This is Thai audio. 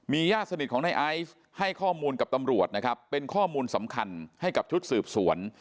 ญาติสนิทของในไอซ์ให้ข้อมูลกับตำรวจนะครับเป็นข้อมูลสำคัญให้กับชุดสืบสวน